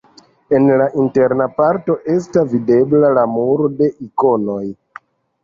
En la interna parto esta videbla la muro de ikonoj.